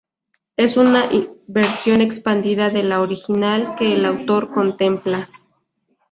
Es una versión expandida de la original que el autor contempla.